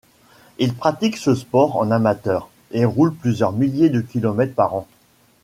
Il pratique ce sport en amateur, et roule plusieurs milliers de kilomètres par an.